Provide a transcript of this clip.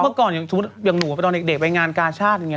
ซึ่งบอกว่าเมื่อก่อนอย่างหนูตอนเด็กไปงานการ์ชัฐอย่างเงี้ย